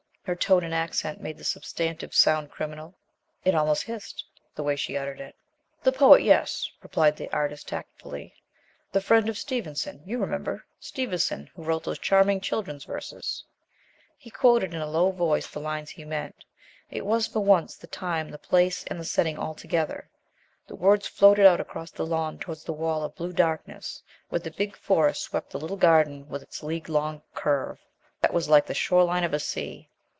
Her tone and accent made the substantive sound criminal. It almost hissed, the way she uttered it. "The poet, yes," replied the artist tactfully, "the friend of Stevenson, you remember, Stevenson who wrote those charming children's verses." He quoted in a low voice the lines he meant. It was, for once, the time, the place, and the setting all together. The words floated out across the lawn towards the wall of blue darkness where the big Forest swept the little garden with its league long curve that was like the shore line of a sea.